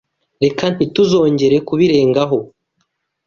Reka ntituzongere kubirengaho.